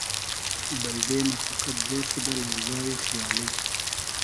بئلدئ مۂ فئقئد جۉر شودۂ لۆزای خیالی